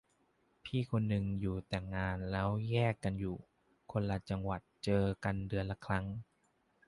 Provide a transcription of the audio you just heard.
พี่คนนึงอยู่แต่งงานแล้วแยกกันอยู่คนละจังหวัดเจอกันเดือนละครั้ง